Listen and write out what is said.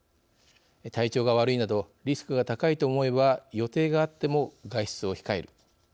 体調が悪いなどリスクが高いと思えば予定があっても外出を控える。